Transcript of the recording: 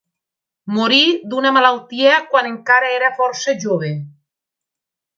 Morí d'una malaltia quan encara era força jove.